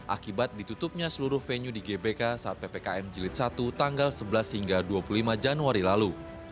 akibat ditutupnya seluruh venue di gbk saat ppkm jilid satu tanggal sebelas hingga dua puluh lima januari lalu